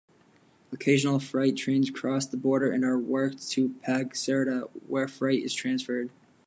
Occasional freight-trains cross the border and are worked to Puigcerda, where freight is transferred.